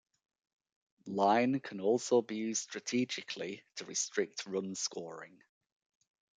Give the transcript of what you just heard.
Line can also be used strategically to restrict run scoring.